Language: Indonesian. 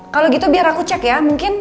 kalau gitu biar aku cek ya mungkin